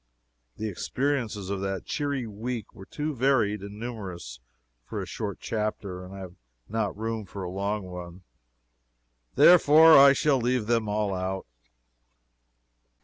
The experiences of that cheery week were too varied and numerous for a short chapter and I have not room for a long one. Therefore I shall leave them all out.